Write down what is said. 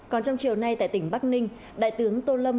còn trong chiều nay tại tỉnh bắc ninh đại tướng tô lâm